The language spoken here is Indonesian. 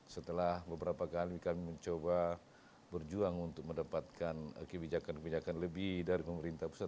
setelah beberapa kali kami mencoba berjuang untuk mendapatkan kebijakan kebijakan lebih dari pemerintah pusat